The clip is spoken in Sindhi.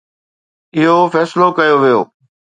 اهو فيصلو ڪيو ويو